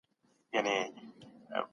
دا مثلثونه دي.